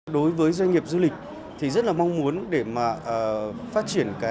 đối với doanh nghiệp du lịch thì rất là mong muốn để mà phát triển